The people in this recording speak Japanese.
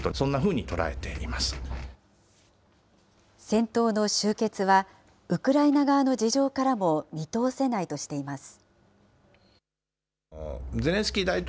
戦闘の終結はウクライナ側の事情からも見通せないとしています。